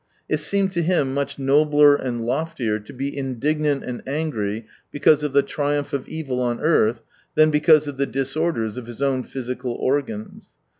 It seemed to him much nobler and loftier to be indignant and angry because of the triumph of evil on earth, than because of the disorders of his own physical organs.